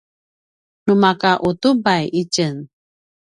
nu maka utubay itjen